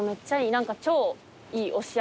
何か超いい押上。